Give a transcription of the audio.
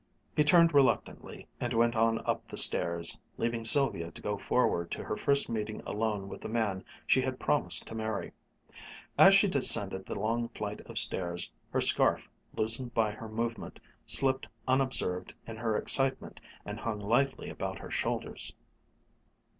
He turned reluctantly and went on up the stairs, leaving Sylvia to go forward to her first meeting alone with the man she had promised to marry. As she descended the long flight of stairs, her scarf, loosened by her movement, slipped unobserved in her excitement and hung lightly about her shoulders.